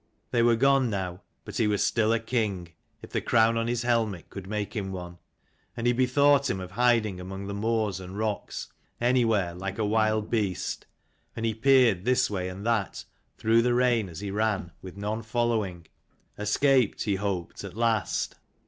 They were gone now: but he was still a king, if the crown on his helmet could make him one. And he bethought him of hiding among the moors and rocks, anywhere, like a wild beast: and he peered this way and that through the rain as he ran, with none following, escaped, he 299 hoped, at last.